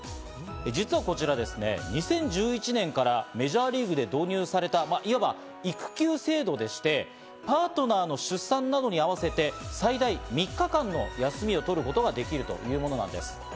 実はこちらですね、２０１１年からメジャーリーグで導入された、いわば育休制度でして、パートナーの出産などに合わせて最大３日間の休みを取ることができるというものなんです。